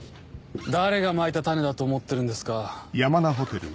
誰がまいた種だと思ってるんですか？